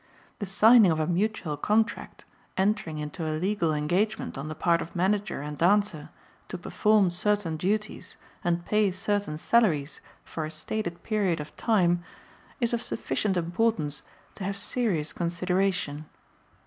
The signing of a mutual contract, entering into a legal engagement on the part of manager and dancer to perform certain duties and pay certain salaries for a stated period of time, is of sufficient importance to have serious consideration.